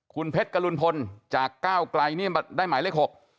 คุณเพชรกรุณพลจากก้าวไกลเนี่ยได้หมายเลข๖